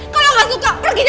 kalau gak suka pergi aja